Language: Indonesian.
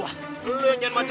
aduh tenang bu